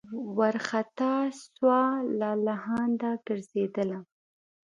وارخطا سوه لالهانده ګرځېدله